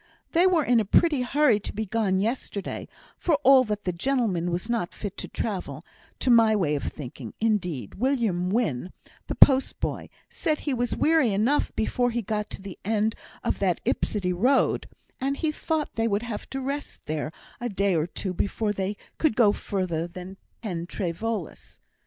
They were in a pretty hurry to be gone yesterday, for all that the gentleman was not fit to travel, to my way of thinking; indeed, William Wynn, the post boy, said he was weary enough before he got to the end of that Yspytty road; and he thought they would have to rest there a day or two before they could go further than Pen trê Voelas.